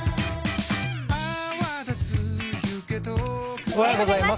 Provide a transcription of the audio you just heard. おはようございます。